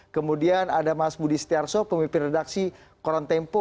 kemudian ada mas budi setiarso pemimpin redaksi koran tempo